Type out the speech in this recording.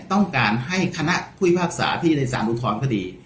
ต้องการให้คณะพฤพศาสตร์ที่สารอุทธรณคดี